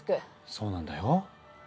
そうなんだよ。